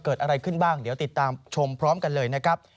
เกิดอะไรขึ้นบ้างเดี๋ยวติดตามชมพร้อมกันเลยนะครับ